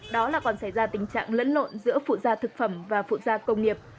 đó là còn xảy ra tình trạng lẫn lộn giữa phụ gia thực phẩm và phụ gia công nghiệp